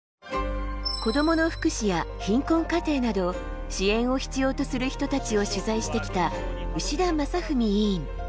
子どもの福祉や貧困家庭など支援を必要とする人たちを取材してきた牛田正史委員。